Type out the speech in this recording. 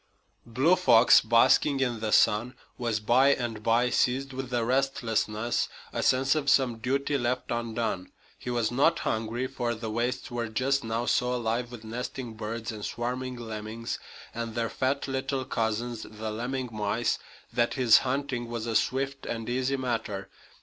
Blue Fox, basking in the sun, was by and by seized with a restlessness, a sense of some duty left undone. He was not hungry, for the wastes were just now so alive with nesting birds and swarming lemmings, and their fat little cousins, the lemming mice, that his hunting was a swift and easy matter.